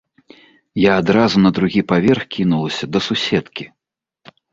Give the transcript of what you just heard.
Я адразу на другі паверх кінулася да суседкі.